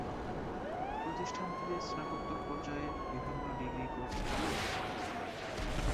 প্রতিষ্ঠানটিতে স্নাতকোত্তর পর্যায়ের বিভিন্ন ডিগ্রি কোর্স চালু আছে।